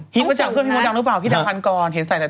ฮิตกระจ่างเพื่อนพี่โมดังหรือเปล่าพี่ดังพันกรเห็นใส่ในตัว